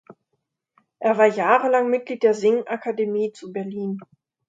Er war jahrelang Mitglied der Sing-Akademie zu Berlin.